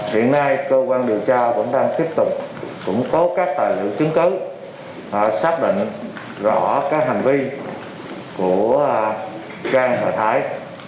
hiện nay công an điều tra vẫn đang tiếp tục cũng có các tài liệu chứng cứ xác định rõ các hành vi của trang hòa thái